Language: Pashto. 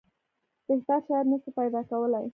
بهتر شرایط نه سو پیدا کولای.